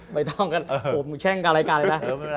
ไม่ต้องกันโอ้มึงแช่งกับรายการเลยนะ